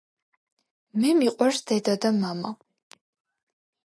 მე მიყვარს დედა და მამა